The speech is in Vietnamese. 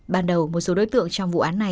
bắt đầu một số đối tượng trong vụ án